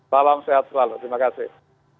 salam sehat selalu terima kasih